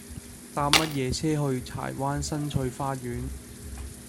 搭乜嘢車去柴灣新翠花園